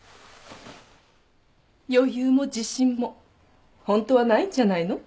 余裕も自信もホントはないんじゃないの？